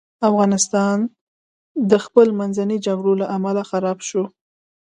افغانستان د خپل منځي جګړو له امله خراب سو.